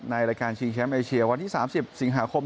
ในรายการชิงแชมป์เอเชียวันที่๓๐สิงหาคม